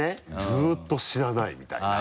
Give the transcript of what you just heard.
ずっと死なないみたいな。